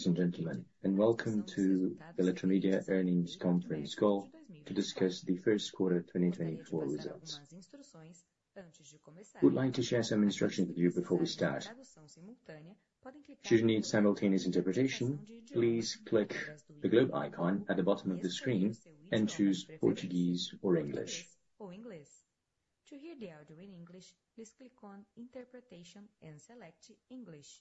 Ladies and gentlemen, and welcome to the Eletromidia Earnings Conference Call to discuss the first quarter 2024 results. Would like to share some instructions with you before we start. Should you need simultaneous interpretation, please click the globe icon at the bottom of the screen and choose Portuguese or English. Ou inglês. To hear the audio in English, please click on "Interpretation" and select English.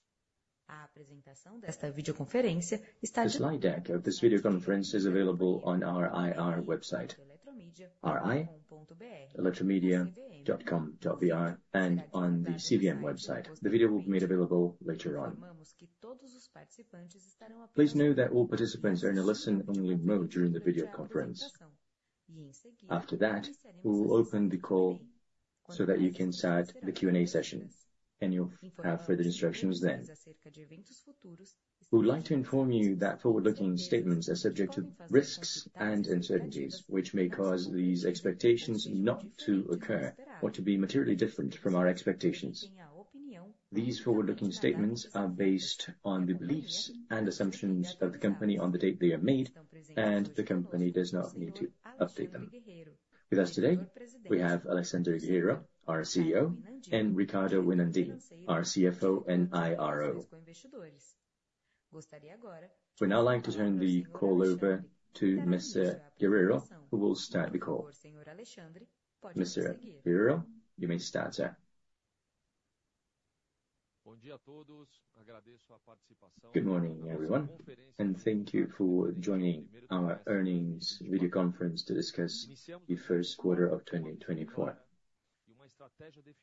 Esta videoconferência está. The slide deck of this videoconference is available on our IR website, ri.eletromidia.com.br, and on the CVM website. The video will be made available later on. Please note that all participants are in a listen-only mode during the videoconference. After that, we will open the call so that you can start the Q&A session, and you'll have further instructions then. We would like to inform you that forward-looking statements are subject to risks and uncertainties, which may cause these expectations not to occur or to be materially different from our expectations. These forward-looking statements are based on the beliefs and assumptions of the company on the date they are made, and the company does not need to update them. With us today, we have Alexandre Guerrero, our CEO, and Ricardo Winandy, our CFO and IRO. We'd now like to turn the call over to Mr. Guerrero, who will start the call. Mr. Guerrero, you may start, sir. Bom dia a todos. Agradeço a participação. Good morning, everyone, and thank you for joining our earnings videoconference to discuss the first quarter of 2024.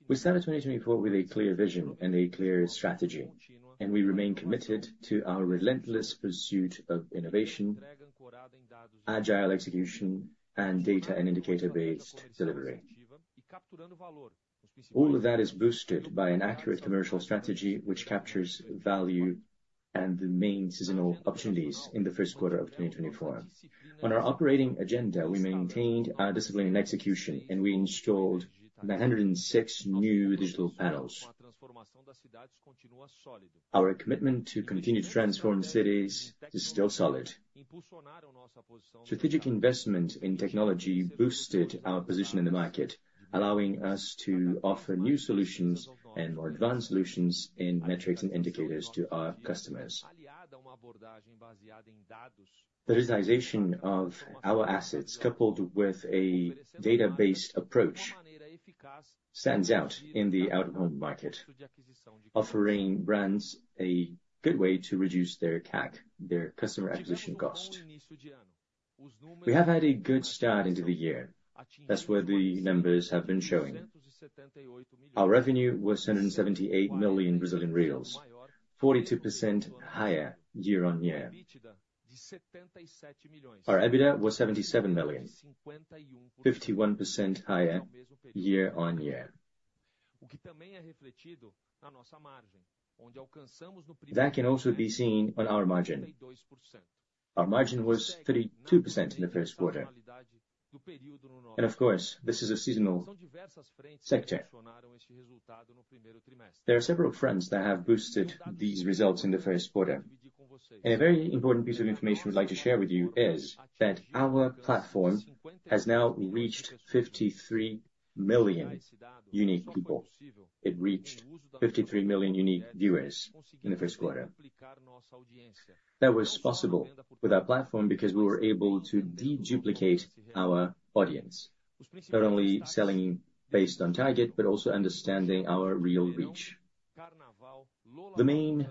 We started 2024 with a clear vision and a clear strategy, and we remain committed to our relentless pursuit of innovation, agile execution, and data and indicator-based delivery. All of that is boosted by an accurate commercial strategy which captures value and the main seasonal opportunities in the first quarter of 2024. On our operating agenda, we maintained our discipline in execution, and we installed 906 new digital panels. Our commitment to continue to transform cities is still solid. Strategic investment in technology boosted our position in the market, allowing us to offer new solutions and more advanced solutions in metrics and indicators to our customers. The digitalization of our assets, coupled with a data-based approach, stands out in the out-of-home market, offering brands a good way to reduce their CAC, their customer acquisition cost. We have had a good start into the year. That's where the numbers have been showing. Our revenue was 778 million Brazilian reais, 42% higher year-on-year. Our EBITDA was 77 million, 51% higher year-on-year. That can also be seen on our margin. Our margin was 32% in the first quarter. And of course, this is a seasonal sector. There are several factors that have boosted these results in the first quarter. And a very important piece of information we'd like to share with you is that our platform has now reached 53 million unique people. It reached 53 million unique viewers in the first quarter. That was possible with our platform because we were able to deduplicate our audience, not only selling based on target but also understanding our real reach. The main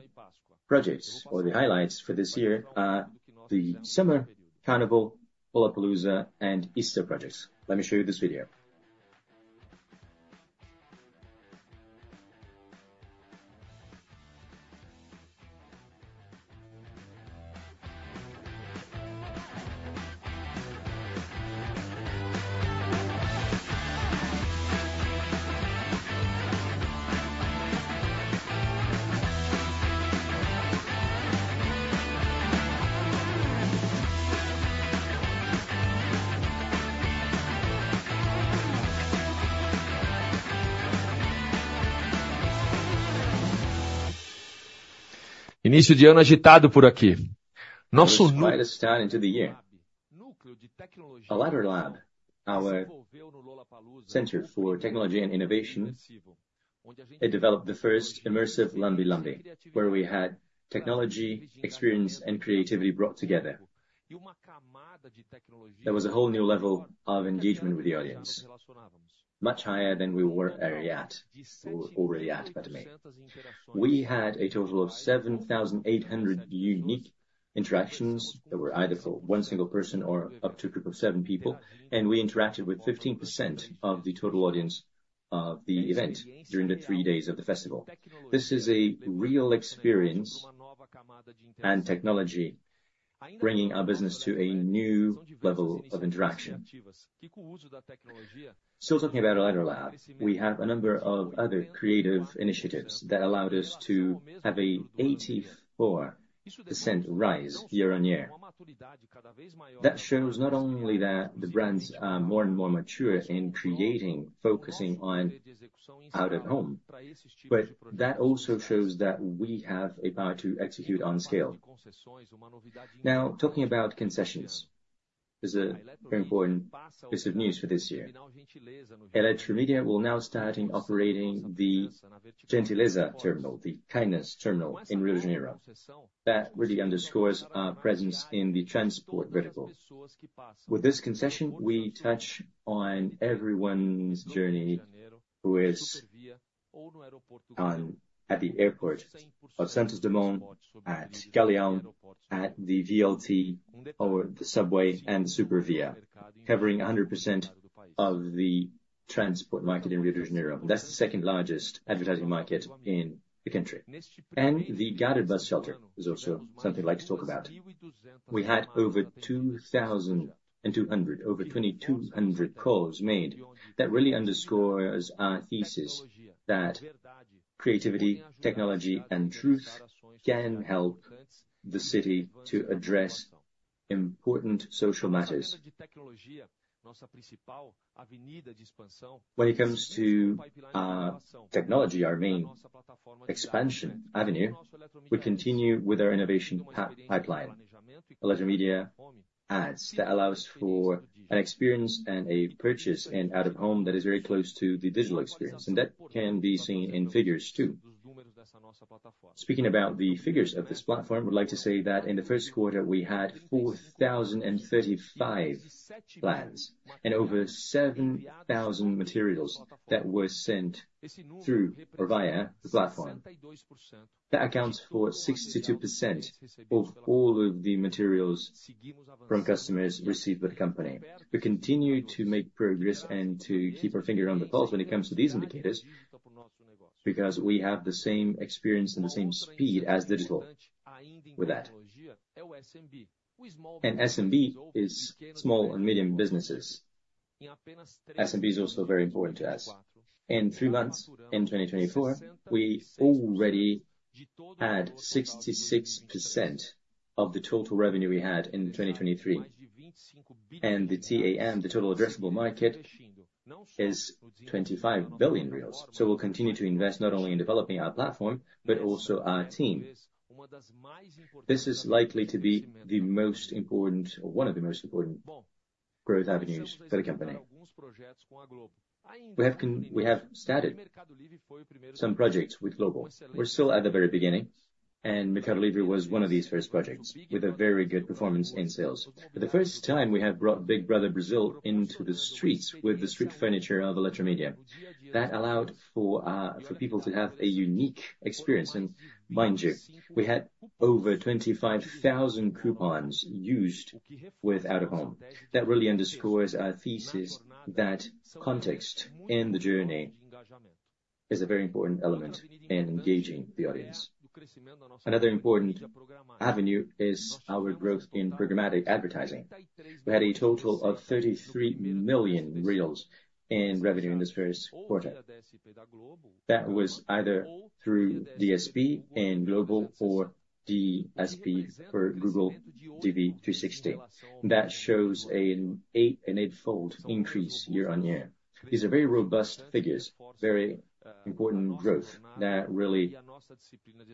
projects or the highlights for this year are the summer carnival, Lollapalooza, and Easter projects. Let me show you this video. Início de ano agitado por aqui. Nosso. Despite a start into the year, our center for technology and innovation developed the first immersive Lambe-Lambe, where we had technology, experience, and creativity brought together. There was a whole new level of engagement with the audience, much higher than we were already at, by the way. We had a total of 7,800 unique interactions that were either for one single person or up to a group of seven people, and we interacted with 15% of the total audience of the event during the three days of the festival. This is a real experience and technology bringing our business to a new level of interaction. Still talking about EletroLAB, we have a number of other creative initiatives that allowed us to have an 84% rise year-on-year. That shows not only that the brands are more and more mature in creating, focusing on out-of-home, but that also shows that we have a power to execute on scale. Now, talking about concessions, there's a very important piece of news for this year. Eletromidia will now start operating the Gentileza terminal, the kindness terminal, in Rio de Janeiro. That really underscores our presence in the transport vertical. With this concession, we touch on everyone's journey at the airport, of Santos Dumont, at Galeão, at the VLT, or the subway and the SuperVia, covering 100% of the transport market in Rio de Janeiro. That's the second largest advertising market in the country. And the guided bus shelter is also something I'd like to talk about. We had over 2,200 calls made. That really underscores our thesis that creativity, technology, and truth can help the city to address important social matters. When it comes to technology, our main expansion avenue, we continue with our innovation pipeline, Eletromidia Ads, that allows for an experience and a purchase in out-of-home that is very close to the digital experience. And that can be seen in figures, too. Speaking about the figures of this platform, I would like to say that in the first quarter, we had 4,035 plans and over 7,000 materials that were sent through or via the platform. That accounts for 62% of all of the materials from customers received by the company. We continue to make progress and to keep our finger on the pulse when it comes to these indicators because we have the same experience and the same speed as digital with that. And SMB is small and medium businesses. SMB is also very important to us. In three months in 2024, we already had 66% of the total revenue we had in 2023, and the TAM, the total addressable market, is 25 billion reais. So we'll continue to invest not only in developing our platform but also our team. This is likely to be the most important or one of the most important growth avenues for the company. We have started some projects with Globo. We're still at the very beginning, and Mercado Livre was one of these first projects with a very good performance in sales. For the first time, we have brought Big Brother Brasil into the streets with the street furniture of Eletromidia. That allowed for people to have a unique experience. And mind you, we had over 25,000 coupons used with out-of-home. That really underscores our thesis that context and the journey is a very important element in engaging the audience. Another important avenue is our growth in programmatic advertising. We had a total of 33 million in revenue in this first quarter. That was either through DSP and Globo or DSP for Google DV360. That shows an eightfold increase year-on-year. These are very robust figures, very important growth that really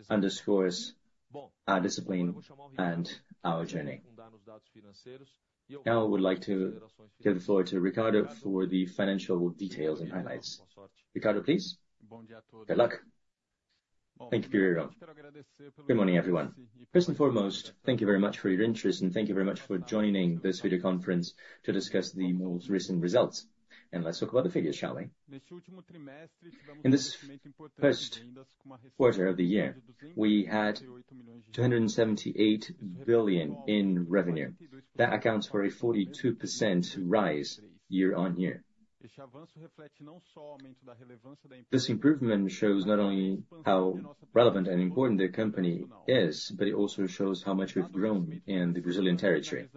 underscores our discipline and our journey. Now, I would like to give the floor to Ricardo for the financial details and highlights. Ricardo, please. Good luck. Thank you, Guerrero. Good morning, everyone. First and foremost, thank you very much for your interest, and thank you very much for joining this videoconference to discuss the most recent results. And let's talk about the figures, shall we? In this first quarter of the year, we had 278 billion in revenue. That accounts for a 42% rise year-on-year. This improvement shows not only how relevant and important the company is, but it also shows how much we've grown in the Brazilian territory.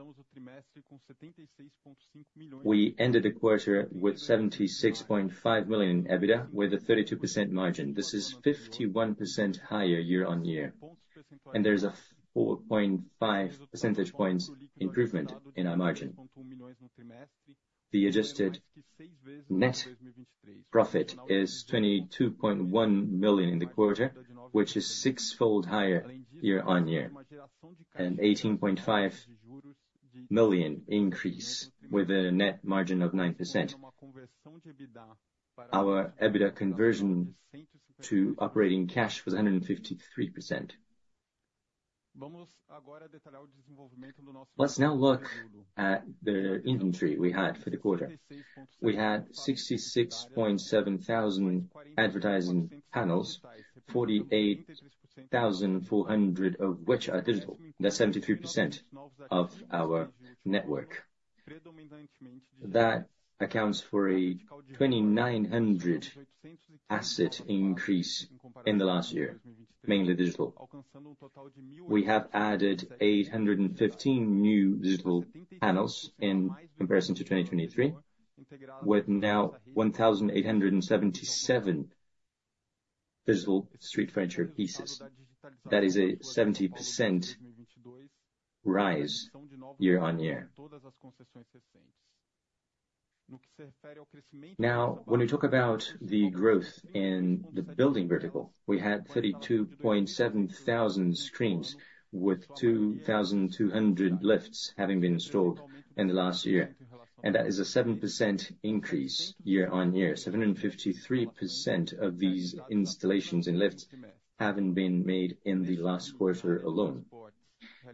We ended the quarter with 76.5 million in EBITDA with a 32% margin. This is 51% higher year-on-year. There's a 4.5 percentage points improvement in our margin. The adjusted net profit is 22.1 million in the quarter, which is sixfold higher year-on-year, a 18.5 million increase with a net margin of 9%. Our EBITDA conversion to operating cash was 153%. Let's now look at the inventory we had for the quarter. We had 66,700 advertising panels, 48,400 of which are digital. That's 73% of our network. That accounts for a 2,900 asset increase in the last year, mainly digital. We have added 815 new digital panels in comparison to 2023, with now 1,877 digital street furniture pieces. That is a 70% rise year-on-year. Now, when we talk about the growth in the building vertical, we had 32,700 screens with 2,200 lifts having been installed in the last year. And that is a 7% increase year-on-year. 753% of these installations and lifts haven't been made in the last quarter alone.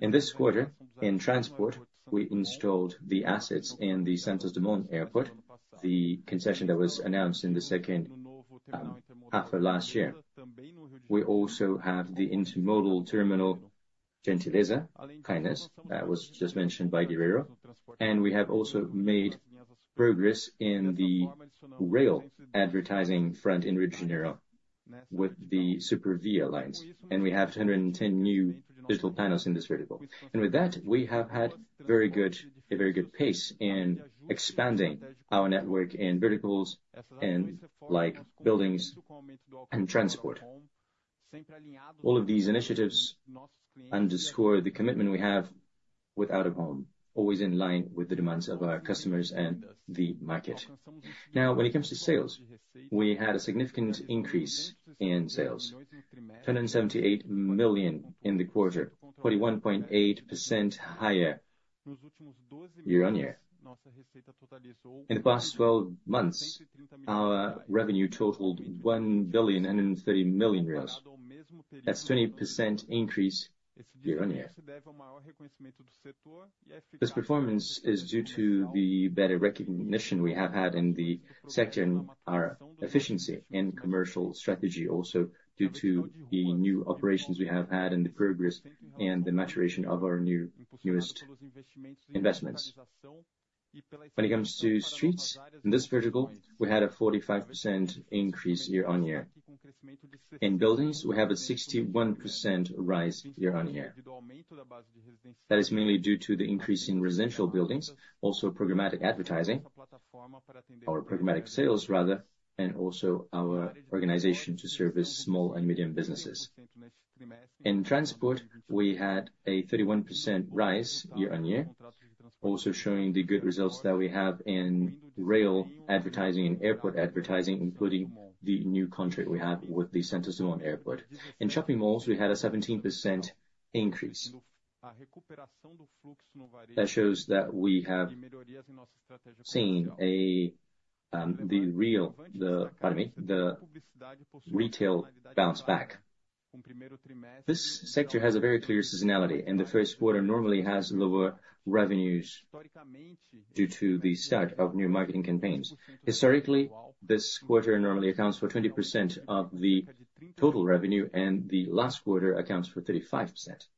In this quarter, in transport, we installed the assets in the Santos Dumont Airport, the concession that was announced in the second half of last year. We also had the intermodal terminal Gentileza, kindness, that was just mentioned by Guerrero. And we have also made progress in the rail advertising front in Rio de Janeiro with the SuperVia lines. And we have 210 new digital panels in this vertical. With that, we have had a very good pace in expanding our network in verticals and buildings and transport. All of these initiatives underscore the commitment we have with out-of-home, always in line with the demands of our customers and the market. Now, when it comes to sales, we had a significant increase in sales, 278 million in the quarter, 41.8% higher year-over-year. In the past 12 months, our revenue totaled 1,030 million. That's a 20% increase year-over-year. This performance is due to the better recognition we have had in the sector and our efficiency in commercial strategy, also due to the new operations we have had and the progress and the maturation of our newest investments. When it comes to streets, in this vertical, we had a 45% increase year-over-year. In buildings, we have a 61% rise year-on-year. That is mainly due to the increase in residential buildings, also programmatic advertising, our programmatic sales, rather, and also our organization to service small and medium businesses. In transport, we had a 31% rise year-on-year, also showing the good results that we have in rail advertising and airport advertising, including the new contract we have with the Santos Dumont Airport. In shopping malls, we had a 17% increase. That shows that we have seen the retail bounce back. This sector has a very clear seasonality, and the first quarter normally has lower revenues due to the start of new marketing campaigns. Historically, this quarter normally accounts for 20% of the total revenue, and the last quarter accounts for 35%.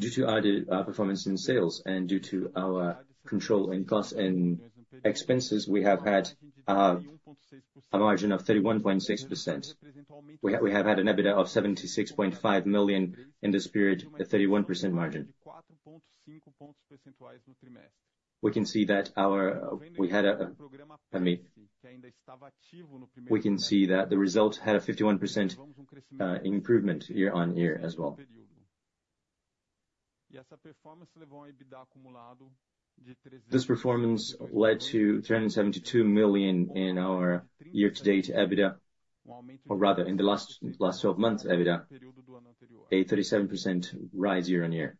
Due to our performance in sales and due to our control in costs and expenses, we have had a margin of 31.6%. We have had an EBITDA of 76.5 million in this period, a 31% margin. We can see that the results had a 51% improvement year-on-year as well. This performance led to 372 million in our year-to-date EBITDA, or rather, in the last 12 months, EBITDA, a 37% rise year-on-year.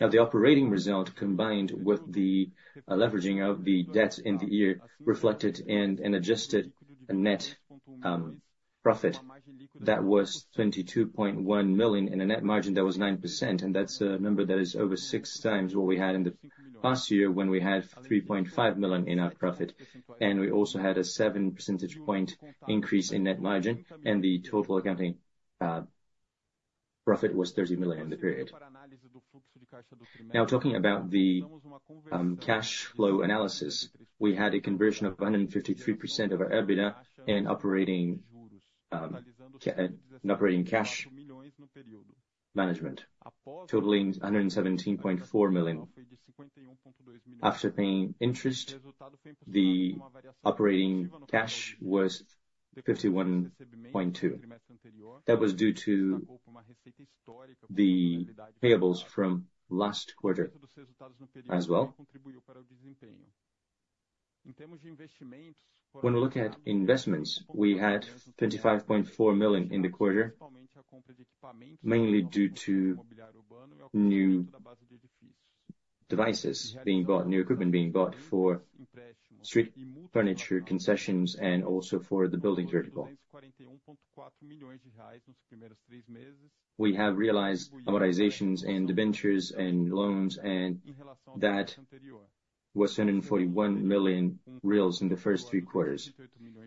Now, the operating result combined with the leveraging of the debt in the year reflected in an adjusted net profit that was 22.1 million and a net margin that was 9%. That's a number that is over six times what we had in the past year when we had 3.5 million in our profit. We also had a 7 percentage point increase in net margin, and the total accounting profit was 30 million in the period. Now, talking about the cash flow analysis, we had a conversion of 153% of our EBITDA in operating cash management, totaling 117.4 million. After paying interest, the operating cash was 51.2 million. That was due to the payables from last quarter as well. When we look at investments, we had 25.4 million in the quarter, mainly due to new devices being bought, new equipment being bought for street furniture concessions and also for the building vertical. We have realized amortizations and debentures and loans that were 241 million reais in the first three quarters.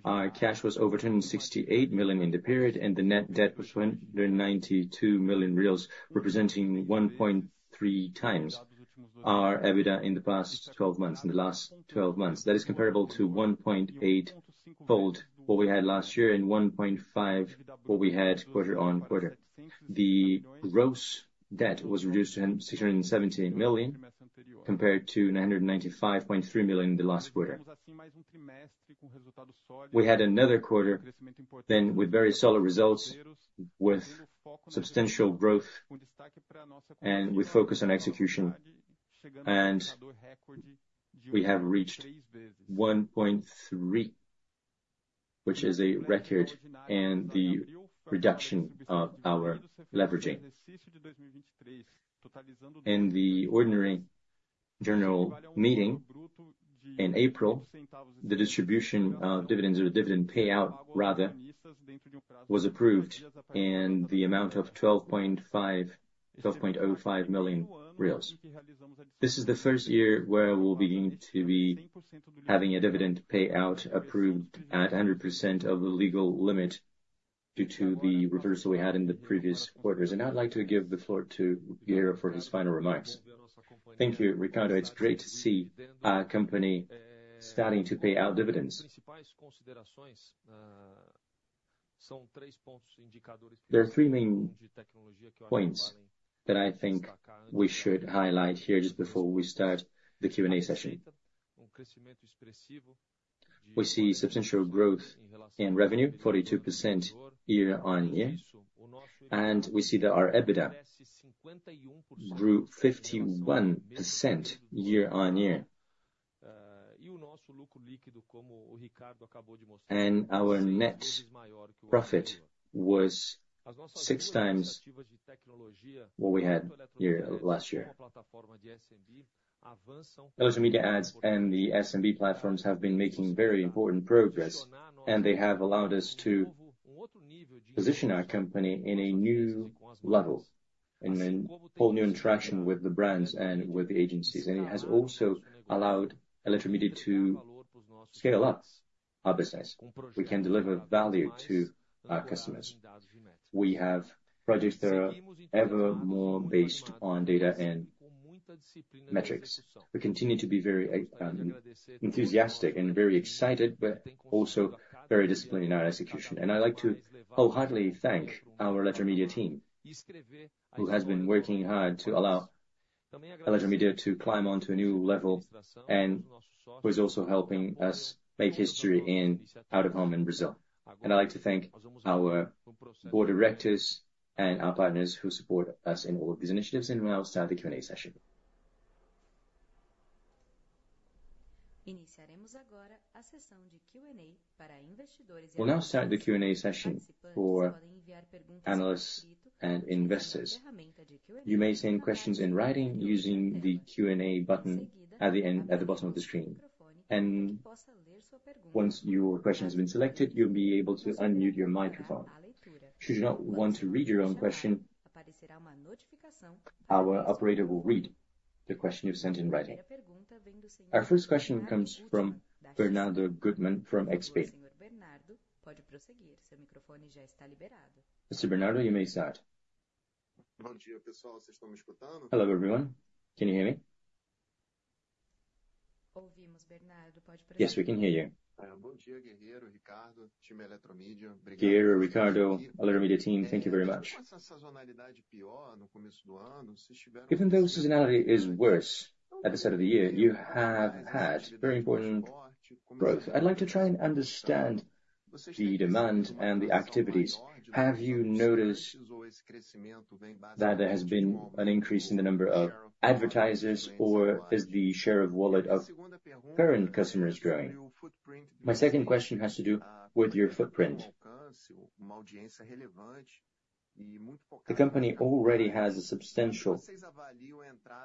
Our cash was over 268 million in the period, and the net debt was 292 million reais, representing 1.3x our EBITDA in the past 12 months, in the last 12 months. That is comparable to 1.8-fold what we had last year and 1.5-fold what we had quarter-over-quarter. The gross debt was reduced to 670 million compared to 995.3 million in the last quarter. We had another quarter then with very solid results with substantial growth and with focus on execution. We have reached 1.3, which is a record in the reduction of our leveraging. In the ordinary general meeting in April, the distribution of dividends or dividend payout, rather, was approved in the amount of 12.05 million reais. This is the first year where we'll begin to be having a dividend payout approved at 100% of the legal limit due to the reversal we had in the previous quarters. Now, I'd like to give the floor to Guerrero for his final remarks. Thank you, Ricardo. It's great to see our company starting to pay out dividends. There are three main points that I think we should highlight here just before we start the Q&A session. We see substantial growth in revenue, 42% year-on-year. We see that our EBITDA grew 51% year-on-year. Our net profit was 6x what we had last year. Eletromidia Ads and the SMB platforms have been making very important progress, and they have allowed us to position our company in a new level, in whole new interaction with the brands and with the agencies. And it has also allowed Eletromidia to scale up our business. We can deliver value to our customers. We have projects that are ever more based on data and metrics. We continue to be very enthusiastic and very excited, but also very disciplined in our execution. I'd like to wholeheartedly thank our Eletromidia team, who has been working hard to allow Eletromidia to climb onto a new level and who is also helping us make history in out-of-home in Brazil. I'd like to thank our board directors and our partners who support us in all of these initiatives. We'll now start the Q&A session. We'll now start the Q&A session for analysts and investors. You may send questions in writing using the Q&A button at the bottom of the screen. Once your question has been selected, you'll be able to unmute your microphone. Should you not want to read your own question, our operator will read the question you've sent in writing. Our first question comes from Bernardo Guttmann from XP Investimentos. Mister Bernardo, pode prosseguir. Seu microfone já está liberado. Mister Bernardo, you may start. Bom dia, pessoal. Vocês estão me escutando? Hello, everyone. Can you hear me? Ouvimos, Bernardo. Pode prosseguir. Yes, we can hear you. Bom dia, Guerrero, Ricardo, team Eletromidia. Obrigado. Guerrero, Ricardo, Eletromidia team, thank you very much. E como essa sazonalidade piora no começo do ano? Se estivermos... Given that the seasonality is worse at the start of the year, you have had very important growth. I'd like to try and understand the demand and the activities. Have you noticed that there has been an increase in the number of advertisers, or is the share of wallet of current customers growing? My second question has to do with your footprint. The company already has a substantial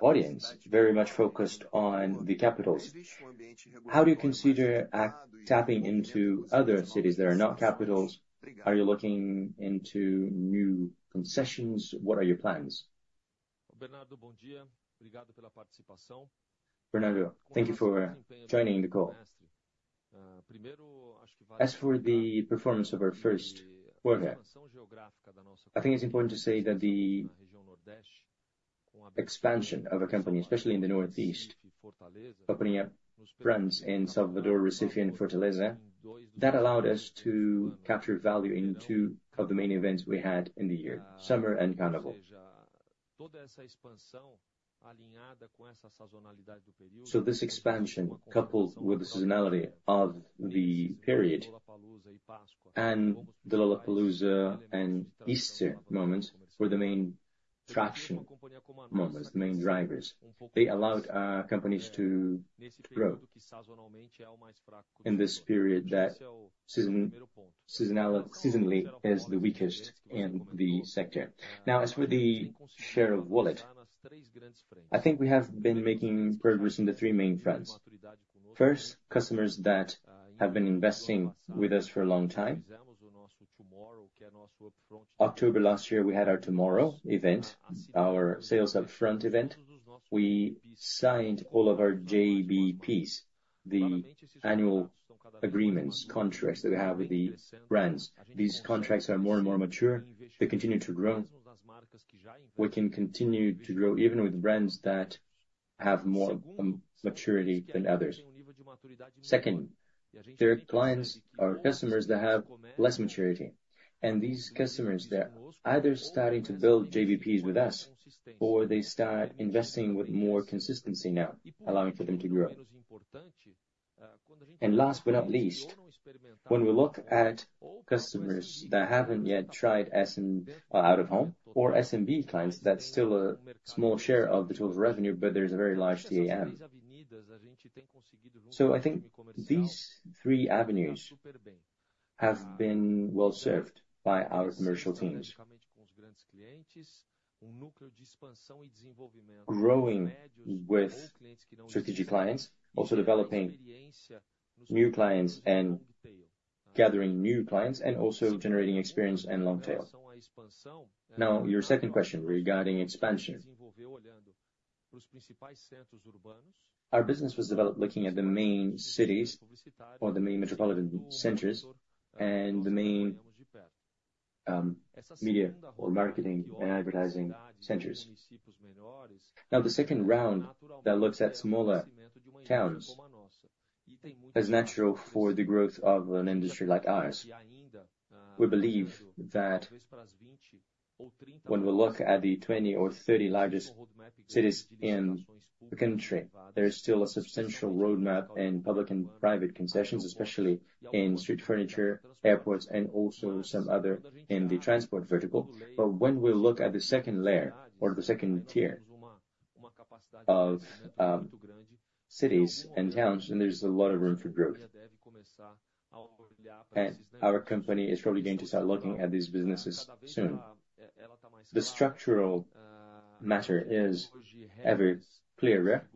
audience very much focused on the capitals. How do you consider tapping into other cities that are not capitals? Are you looking into new concessions? What are your plans? Bernardo, bom dia. Obrigado pela participação. Bernardo, thank you for joining the call. As for the performance of our first quarter, I think it's important to say that the expansion of our company, especially in the Northeast, opening up brands in Salvador, Recife, and Fortaleza, that allowed us to capture value in two of the main events we had in the year, summer and carnival. So this expansion, coupled with the seasonality of the period and the Lollapalooza and Easter moments were the main traction moments, the main drivers. They allowed our companies to grow. In this period, that seasonally is the weakest in the sector. Now, as for the share of wallet, I think we have been making progress in the three main fronts. First, customers that have been investing with us for a long time. October last year, we had our Tomorrow event, our sales upfront event. We signed all of our JBPs, the annual agreements, contracts that we have with the brands. These contracts are more and more mature. They continue to grow. We can continue to grow even with brands that have more maturity than others. Second, there are customers that have less maturity. And these customers, they're either starting to build JBPs with us, or they start investing with more consistency now, allowing for them to grow. And last but not least, when we look at customers that haven't yet tried out-of-home or SMB clients that still have a small share of the total revenue, but there's a very large TAM, so I think these three avenues have been well served by our commercial teams, growing with strategic clients, also developing new clients and gathering new clients, and also generating experience and long tail. Now, your second question regarding expansion. Our business was developed looking at the main cities or the main metropolitan centers and the main media or marketing and advertising centers. Now, the second round that looks at smaller towns is natural for the growth of an industry like ours. We believe that when we look at the 20 or 30 largest cities in the country, there is still a substantial roadmap in public and private concessions, especially in street furniture, airports, and also some other in the transport vertical. But when we look at the second layer or the second tier of cities and towns, then there's a lot of room for growth. And our company is probably going to start looking at these businesses soon. The structural matter is ever clearer.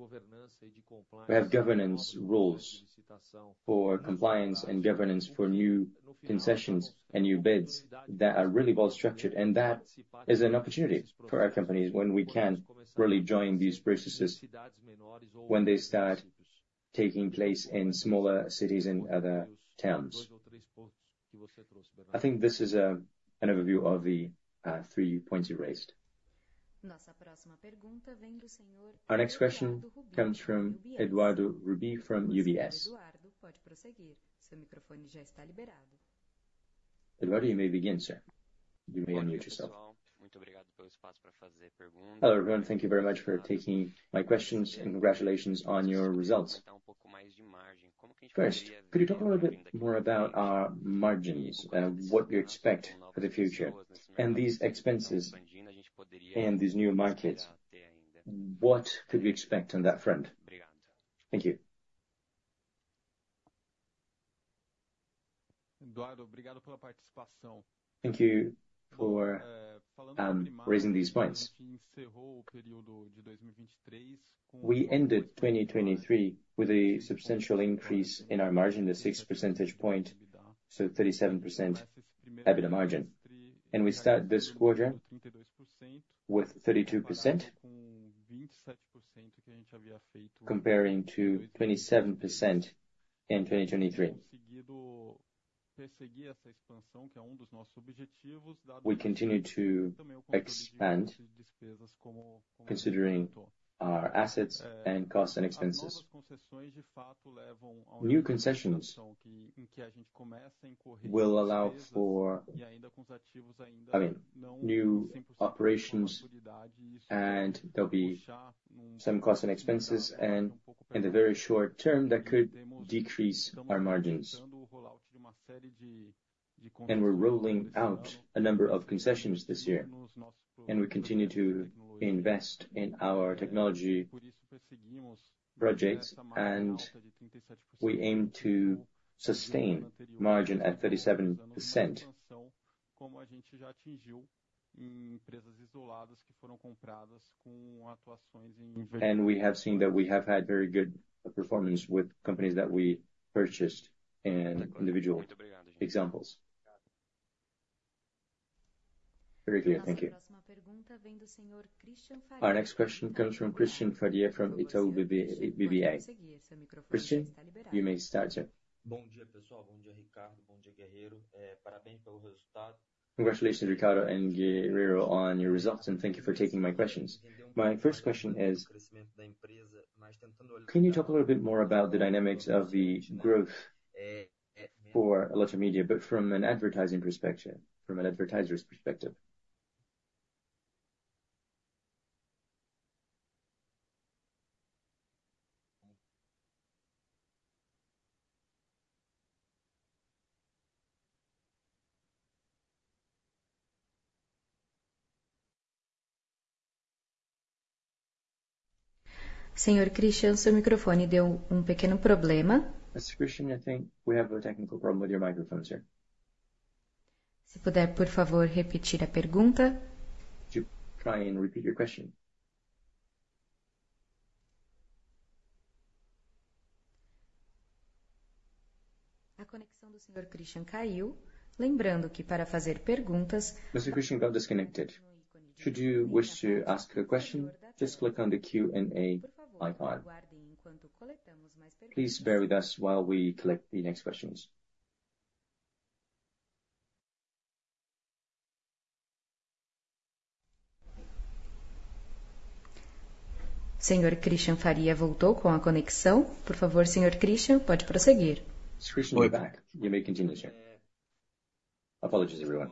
We have governance rules for compliance and governance for new concessions and new bids that are really well structured. That is an opportunity for our companies when we can really join these processes when they start taking place in smaller cities and other towns. I think this is an overview of the three points you raised. Our next question comes from Eduardo Rubi from UBS. Eduardo, pode prosseguir. Seu microfone já está liberado. Eduardo, you may begin, sir. You may unmute yourself. Muito obrigado pelo espaço para fazer perguntas. Hello, everyone. Thank you very much for taking my questions, and congratulations on your results. Como que a gente poderia? First, could you talk a little bit more about our margins and what you expect for the future? And these expenses and these new markets, what could we expect on that front? Thank you. Eduardo, obrigado pela participação. Thank you for raising these points. We ended 2023 with a substantial increase in our margin, the 6 percentage point, so 37% EBITDA margin. And we started this quarter with 32%, comparing to 27% in 2023. We continue to expand new concessions in the rollout of a number of concessions this year. And we continue to invest in our technology projects. And we aim to sustain a margin at 37%. And we have seen that we have had very good performance with companies that we purchased and individual examples. Very clear. Thank you. A nossa próxima pergunta vem do senhor Cristian Faria. Our next question comes from Cristian Faria from Itaú BBA. Cristian, you may start, sir. Bom dia, pessoal. Bom dia, Ricardo. Bom dia, Guerrero. Parabéns pelo resultado. Congratulations, Ricardo and Guerrero, on your results, and thank you for taking my questions. My first question is: can you talk a little bit more about the dynamics of the growth for Eletromidia, but from an advertising perspective, from an advertiser's perspective? Senhor Cristian, seu microfone deu pequeno problema. Mr. Cristian, I think we have a technical problem with your microphone, sir. Se puder, por favor, repetir a pergunta. Try and repeat your question. A conexão do senhor Cristian caiu. Lembrando que, para fazer perguntas. Mr. Cristian got disconnected. Should you wish to ask a question, just click on the Q&A icon. Please bear with us while we collect the next questions. Senhor Cristian Faria voltou com a conexão. Por favor, senhor Cristian, pode prosseguir. Mr. Cristian, you may continue, sir. Apologies, everyone.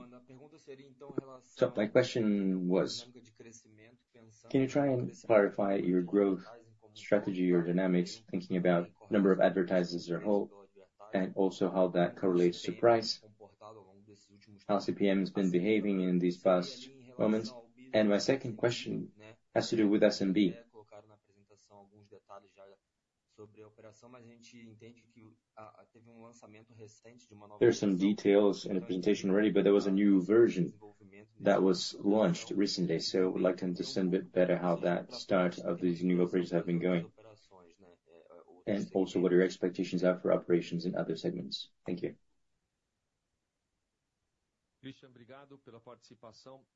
So my question was: can you try and clarify your growth strategy or dynamics, thinking about the number of advertisers as a whole, and also how that correlates to price? How has CPM been behaving in these past moments? And my second question has to do with SMB. There are some details in the presentation already, but there was a new version that was launched recently. So I would like to understand a bit better how that start of these new operations has been going, and also what your expectations are for operations in other segments. Thank you.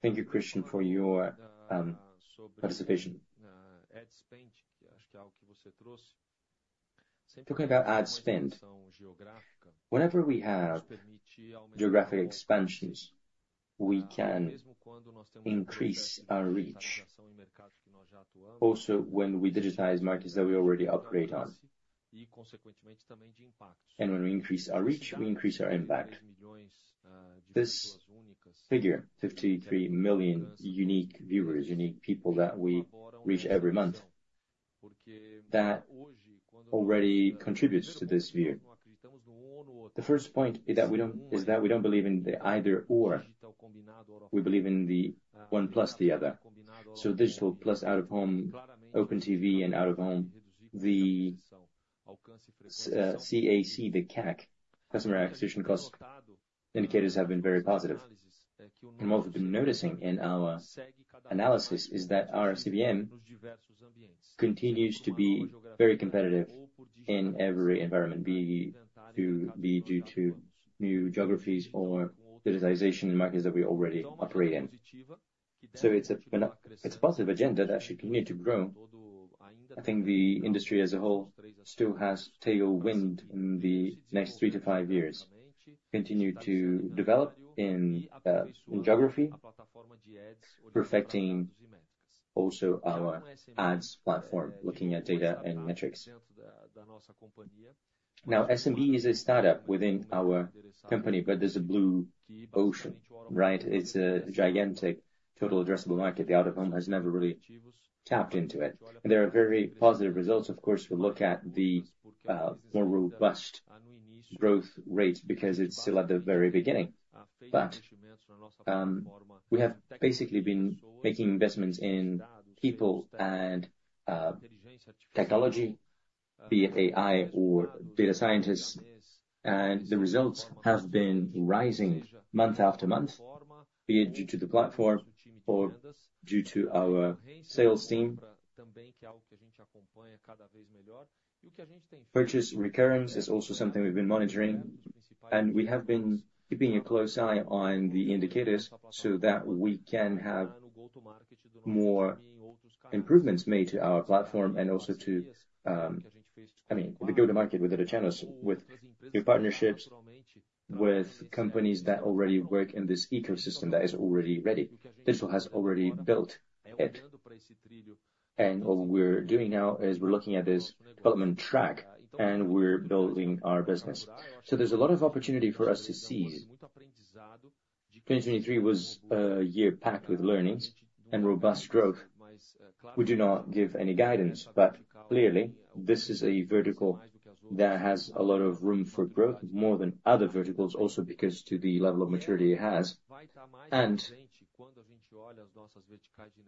Thank you, Cristian, for your participation. Ad spend, I think that's something that you brought up. Whenever we have geographic expansions, we can increase our reach, also when we digitize markets that we already operate on. And when we increase our reach, we increase our impact. This figure: 53 million unique viewers, unique people that we reach every month, that already contributes to this view. The first point is that we don't believe in the either/or. We believe in the one plus the other. So digital plus out-of-home, open TV and out-of-home, the CAC, the CAC, customer acquisition cost indicators have been very positive. And what we've been noticing in our analysis is that our CPM continues to be very competitive in every environment, be it due to new geographies or digitization in markets that we already operate in. So it's a positive agenda that should continue to grow. I think the industry as a whole still has tailwind in the next three to five years. Continue to develop in geography, perfecting also our ads platform, looking at data and metrics. Now, SMB is a startup within our company, but there's a blue ocean, right? It's a gigantic total addressable market. The out-of-home has never really tapped into it. There are very positive results, of course, if we look at the more robust growth rates because it's still at the very beginning. But we have basically been making investments in people and technology, be it AI or data scientists, and the results have been rising month after month, be it due to the platform or due to our sales team. Purchase recurrence is also something we've been monitoring, and we have been keeping a close eye on the indicators so that we can have more improvements made to our platform and also to, I mean, the go-to-market with other channels, with new partnerships, with companies that already work in this ecosystem that is already ready. Digital has already built it. And what we're doing now is we're looking at this development track and we're building our business. So there's a lot of opportunity for us to seize. 2023 was a year packed with learnings and robust growth. We do not give any guidance, but clearly, this is a vertical that has a lot of room for growth more than other verticals, also because of the level of maturity it has.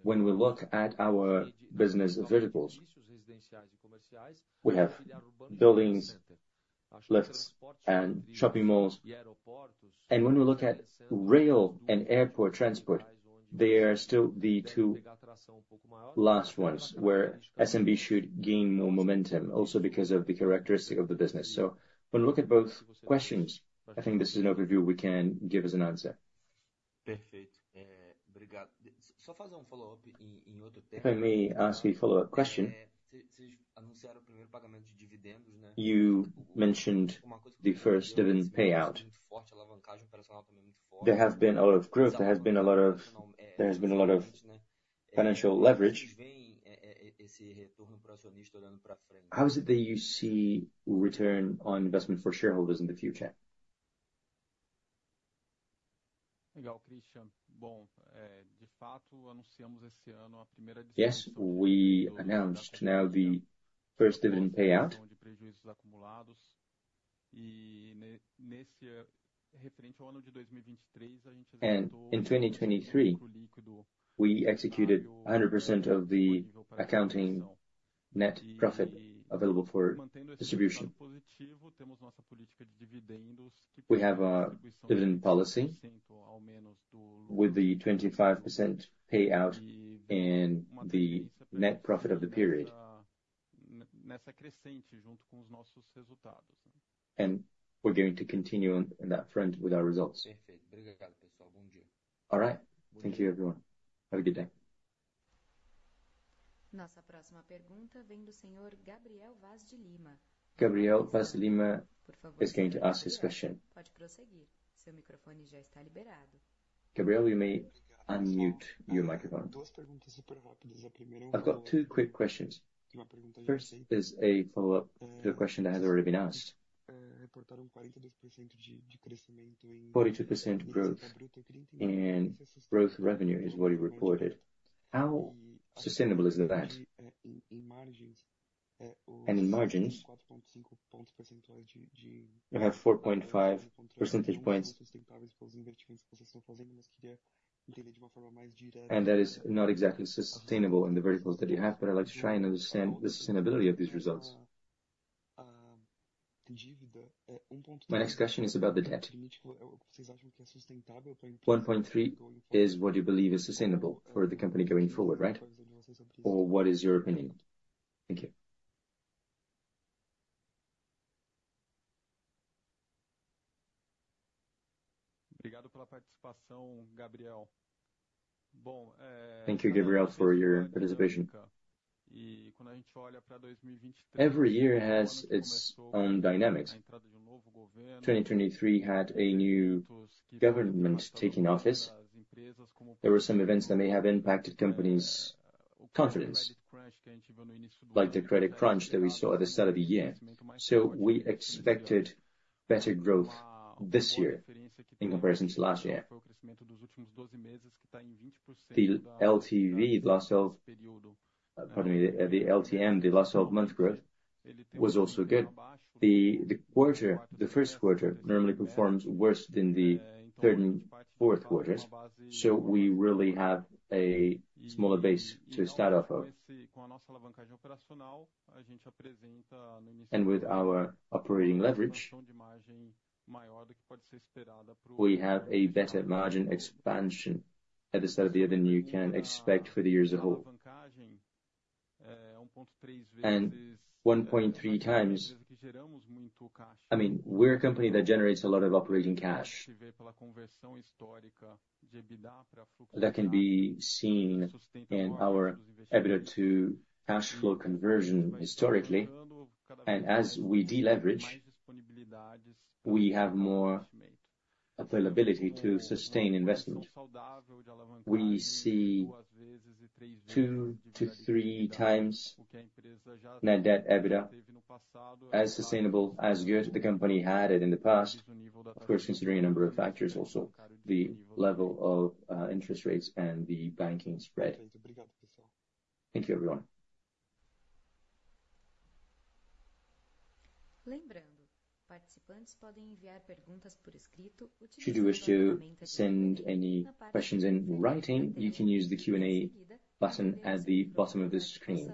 When we look at our business verticals, we have buildings, lifts, and shopping malls. When we look at rail and airport transport, they are still the two last ones where SMB should gain more momentum, also because of the characteristic of the business. So when we look at both questions, I think this is an overview we can give as an answer. Só fazer follow-up em outro tempo. If I may ask a follow-up question? You mentioned the first dividend payout. There has been a lot of growth. There has been a lot of financial leverage. How is it that you see return on investment for shareholders in the future? Legal, Cristian. Bom, de fato, anunciamos esse ano a primeira distribuição do dividendo. Yes, we announced now the first dividend payout. Referente ao ano de 2023, a gente executou o ciclo líquido. And in 2023, we executed 100% of the accounting net profit available for distribution. Temos nossa política de dividendos que possui uma distribuição ao menos do. With the 25% payout and the net profit of the period. Nessa crescente junto com os nossos resultados. And we're going to continue on that front with our results. All right. Thank you, everyone. Have a good day. Nossa próxima pergunta vem do senhor Gabriel Vaz de Lima. Gabriel Vaz de Lima is going to ask his question. Pode prosseguir. Seu microfone já está liberado. Gabriel, you may unmute your microphone. I've got two quick questions. The first is a follow-up to a question that has already been asked. Reportaram 42% de crescimento em bruto revenue is what you reported. How sustainable is that? And in margins, 4.5 percentage points. Eu havia 4.5 percentage points. Sustentáveis para os investimentos que vocês estão fazendo, mas queria entender de uma forma mais direta. And that is not exactly sustainable in the verticals that you have, but I'd like to try and understand the sustainability of these results. My next question is about the debt. 1.3 is what you believe is sustainable for the company going forward, right? Or what is your opinion? Thank you. Obrigado pela participação, Gabriel. Bom. Thank you, Gabriel, for your participation. Every year has its own dynamics. 2023 had a new government taking office. There were some events that may have impacted companies' confidence, like the credit crunch that we saw at the start of the year. So we expected better growth this year in comparison to last year. The LTV, pardon me, the LTM, the last 12-month growth was also good. The first quarter normally performs worse than the third and fourth quarters, so we really have a smaller base to start off of. And with our operating leverage, we have a better margin expansion at the start of the year than you can expect for the year as a whole. And 1.3 times, I mean, we're a company that generates a lot of operating cash. That can be seen in our EBITDA to cash flow conversion historically. And as we deleverage, we have more availability to sustain investment. We see 2-3 times net debt/EBITDA as sustainable, as good the company had it in the past, of course, considering a number of factors also, the level of interest rates and the banking spread. Thank you, everyone. Lembrando: participantes podem enviar perguntas por escrito utilizando a ferramenta de envio. Should you wish to send any questions in writing, you can use the Q&A button at the bottom of the screen.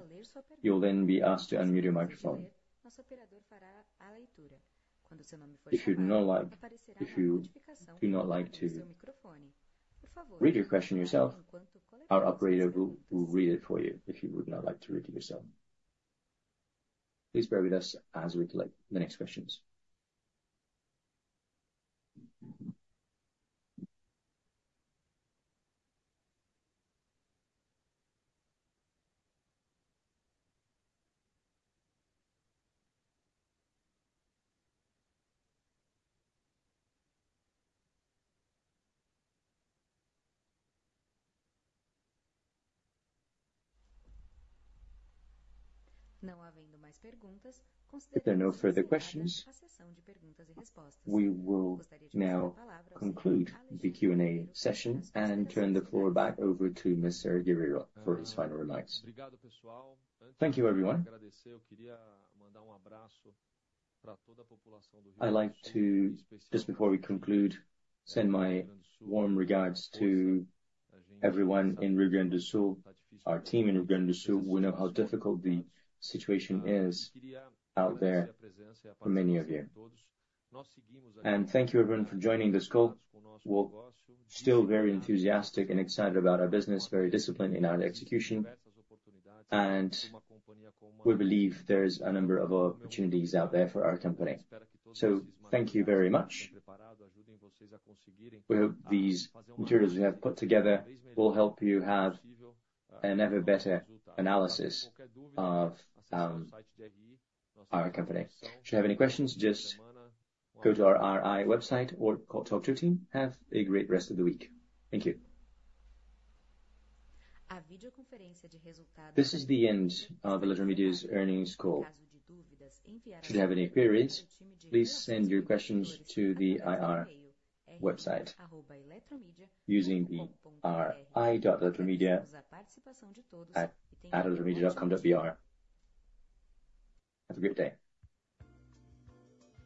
You'll then be asked to unmute your microphone. If you do not like to use your microphone, por favor, read your question yourself. Our operator will read it for you if you would not like to read it yourself. Please bear with us as we collect the next questions. There are no further questions. We will now conclude the Q&A session and turn the floor back over to Mr. Guerrero for his final remarks. Thank you, everyone. Eu queria mandar abraço para toda a população do Rio Grande do Sul. I'd like to, just before we conclude, send my warm regards to everyone in Rio Grande do Sul. Our team in Rio Grande do Sul will know how difficult the situation is out there for many of you. And thank you, everyone, for joining this call. We're still very enthusiastic and excited about our business, very disciplined in our execution, and we believe there's a number of opportunities out there for our company. So thank you very much. We hope these materials we have put together will help you have an ever better analysis of our company. Should you have any questions, just go to our RI website or talk to our team. Have a great rest of the week. Thank you. This is the end of the Eletromidia's earnings call. Should you have any queries, please send your questions to the IR website using the RI.Eletromidia@eletromidia.com. Have a great day.